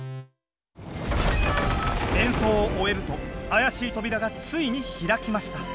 演奏を終えるとあやしい扉がついに開きました。